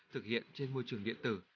thực hiện trên môi trường điện tử